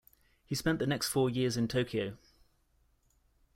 He spent the next four years in Tokyo.